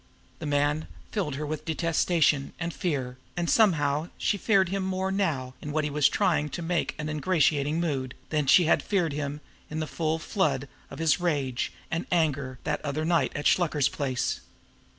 The man filled her with detestation and fear; and somehow she feared him more now in what he was trying to make an ingratiating mood, than she had feared him in the full flood of his rage and anger that other night at Shluker's place.